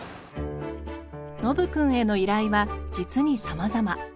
ノブくんへの依頼は実にさまざま。